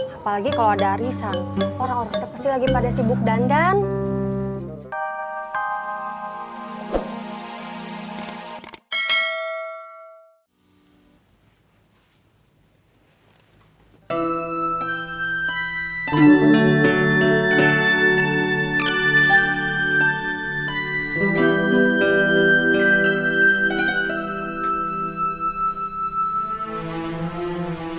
apalagi kalau ada arisan orang orang pasti lagi pada sibuk dandan